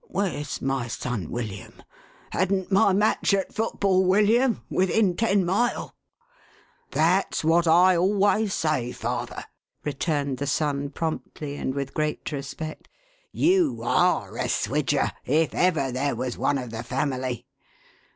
Where's my son William ? Hadn't my match at foot ball, William, within ten mile !"" That's what I always say, father !" returned the son promptly, and with great respect. " You ARE a Swidger, if ever there was one of the family